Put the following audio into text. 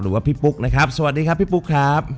พี่ปุ๊กนะครับสวัสดีครับพี่ปุ๊กครับ